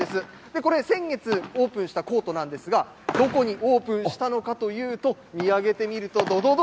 これ、先月オープンしたコートなんですが、どこにオープンしたのかというと、見上げてみると、どどどど